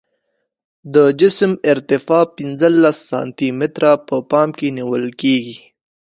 د جسم ارتفاع پنځلس سانتي متره په پام کې نیول کیږي